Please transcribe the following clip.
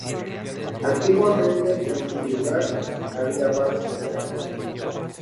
Antiguamente en su lugar había balsas de agua.